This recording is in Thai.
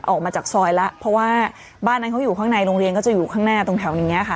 ออกมาจากซอยแล้วเพราะว่าบ้านนั้นเขาอยู่ข้างในโรงเรียนก็จะอยู่ข้างหน้าตรงแถวอย่างนี้ค่ะ